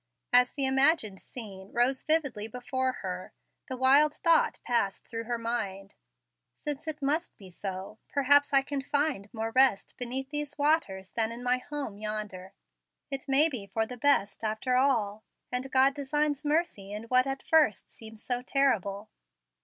As the imagined scene rose vividly before her, the wild thought passed through her mind: "Since it must be so, perhaps I can find more rest beneath these waters than in my home yonder. It may be for the best, after all, and God designs mercy in what at first seemed so terrible."